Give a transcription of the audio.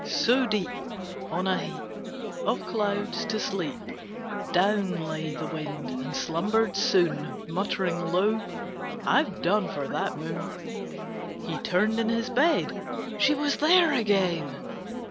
So deep, On a heap Of clouds, to sleep, Down lay the Wind, and slumbered soon Muttering low, "I've done for that Moon." He turned in his bed; she was there again!